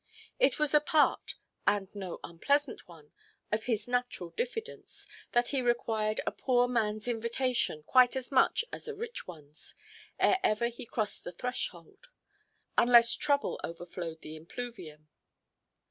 It was a part, and no unpleasant one, of his natural diffidence, that he required a poor manʼs invitation quite as much as a rich oneʼs, ere ever he crossed the threshold; unless trouble overflowed the impluvium.